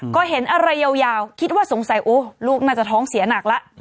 ก็เห็นอะไรยาวคิดว่าสงสัยลูกน่าจะท้องเสียหนักแล้ว